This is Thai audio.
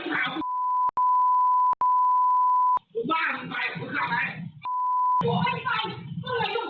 ไอ้ผู้ชายผมไม่ไปผมอยู่ในยาวนี่ไอ้คน